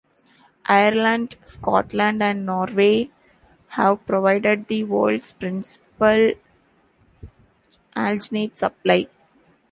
Ireland, Scotland and Norway have provided the world's principal alginate supply.